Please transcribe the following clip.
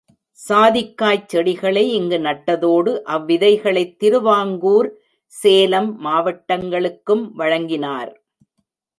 சாதிக்காய்ச் செடிகளை இங்கு நட்டதோடு, அவ்விதைகளைத் திருவாங்கூர், சேலம் மாவட்டங்களுக்கும் வழங்கினார்.